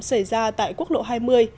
xảy ra tại quốc lộ hai mươi